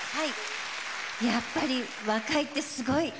やっぱり若いってすごい。